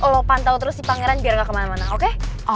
lo pantau terus di pangeran biar ga kemana mana oke